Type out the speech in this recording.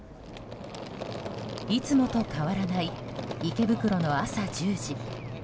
いつもと変わらない池袋の朝１０時。